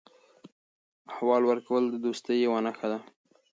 احوال ورکول د دوستۍ یوه نښه ده.